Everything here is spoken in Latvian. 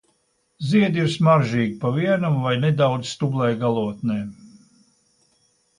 Ziedi ir smaržīgi, pa vienam vai nedaudzi stublāja galotnē.